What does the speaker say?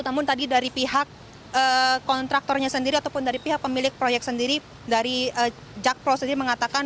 namun tadi dari pihak kontraktornya sendiri ataupun dari pihak pemilik proyek sendiri dari jakpro sendiri mengatakan